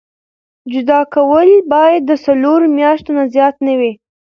جدا کول باید د څلورو میاشتو نه زیات نه وي.